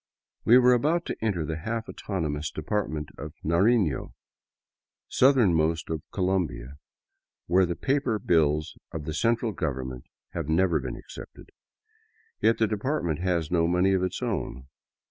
We were about to enter the half autonomous Department of Narino, southernmost of Colombia, where the paper bills of the central government have never been accepted. Yet the department has no money of its own.